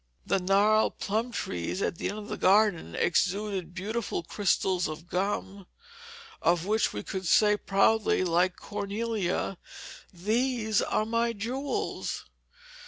The gnarled plum trees at the end of the garden exuded beautiful crystals of gum, of which we could say proudly, like Cornelia, "These are my jewels."